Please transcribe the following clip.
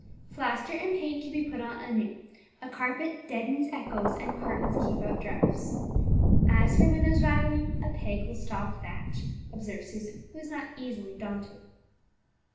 "Plaster and paint can be put on anew, a carpet deadens echoes, and curtains keep out draughts. As for windows rattling, a peg will stop that," observed Susan, who was not easily daunted.